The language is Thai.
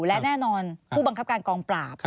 และแน่นอนผู้บังคับการกองปราบ